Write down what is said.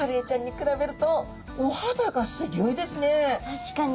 確かに！